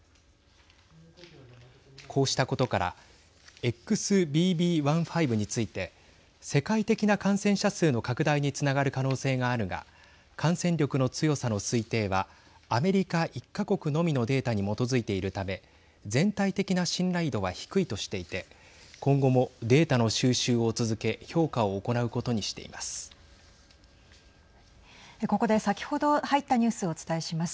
こうしたことからＸＢＢ．１．５について世界的な感染者数の拡大につながる可能性があるが感染力の強さの推定はアメリカ１か国のみのデータに基づいているため全体的な信頼度は低いとしていて今後もデータの収集を続け評価を行うことにしています。